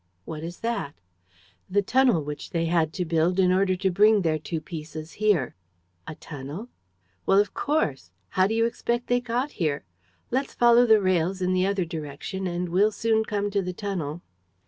"What is that?" "The tunnel which they had to build in order to bring their two pieces here." "A tunnel?" "Well, of course! How do you expect they got here? Let's follow the rails, in the other direction, and we'll soon come to the tunnel."